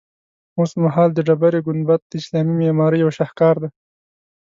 اوسمهال د ډبرې ګنبد د اسلامي معمارۍ یو شهکار دی.